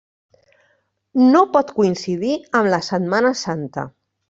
No pot coincidir amb la Setmana Santa.